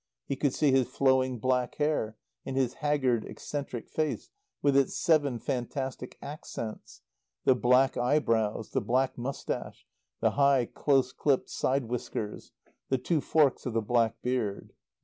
He could see his flowing black hair and his haggard, eccentric face with its seven fantastic accents, the black eyebrows, the black moustache, the high, close clipped side whiskers, the two forks of the black beard.